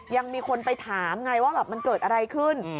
ยังมีคนไปถามไงว่ามันเกิดอะไรขึ้น